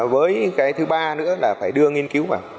với cái thứ ba nữa là phải đưa nghiên cứu vào